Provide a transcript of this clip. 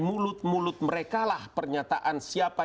mulut mulut mereka lah pernyataan siapa